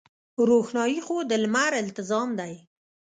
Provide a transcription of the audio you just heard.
روښنايي خو د لمر التزام دی.